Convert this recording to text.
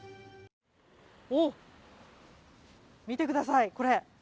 お、見てください、これ。